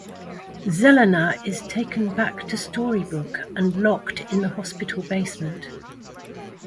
Zelena is taken back to Storybrooke and locked in the hospital basement.